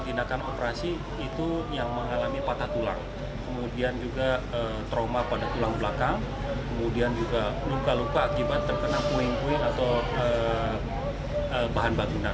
tindakan operasi itu yang mengalami patah tulang kemudian juga trauma pada tulang belakang kemudian juga luka luka akibat terkena puing puing atau bahan bangunan